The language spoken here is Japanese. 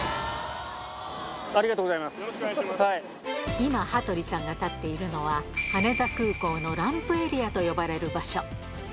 今、羽鳥さんが立っているのは、羽田空港のランプエリアと呼ばれる場所。